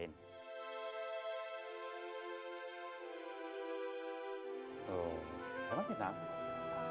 bang haji rumuh minta maaf sama bang haji karena abah sama umir itu selalu